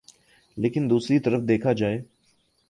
لیکن دوسری طرف دیکھا جائے